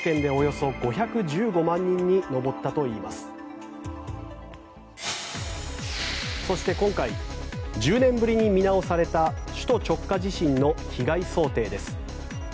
そして今回１０年ぶりに見直された首都直下地震の被害想定です。